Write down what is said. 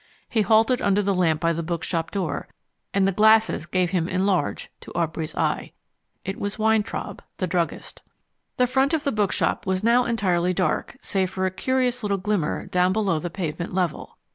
He halted under the lamp by the bookshop door, and the glasses gave him enlarged to Aubrey's eye. It was Weintraub, the druggist. The front of the bookshop was now entirely dark save for a curious little glimmer down below the pavement level.